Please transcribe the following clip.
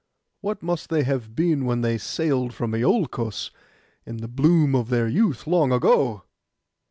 What must they have been when they sailed from Iolcos, in the bloom of their youth, long ago?